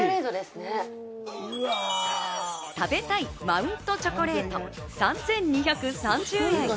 マウントチョコレート、３２３０円。